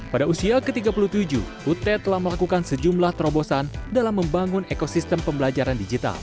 pada usia ke tiga puluh tujuh ut telah melakukan sejumlah terobosan dalam membangun ekosistem pembelajaran digital